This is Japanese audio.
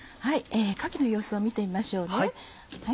かきの様子を見てみましょうね。